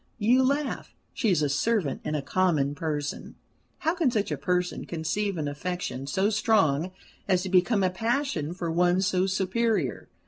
You laugh. She is a servant, and a common person. How can such a person conceive an affection so strong as to become a passion for one so superior?